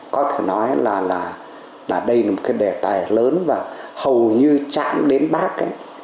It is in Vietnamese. có thể nói là đây là một đề tài lớn và hầu như chạm đến bắc